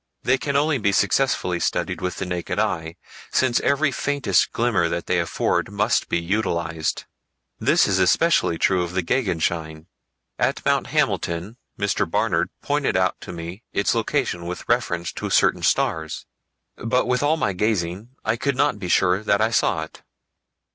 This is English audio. They can only be successfully studied with the naked eye, since every faintest glimmer that they afford must be utilized. This is especially true of the Gegenschein. At Mount Hamilton, Mr Barnard pointed out to me its location with reference to certain stars, but with all my gazing I could not be sure that I saw it.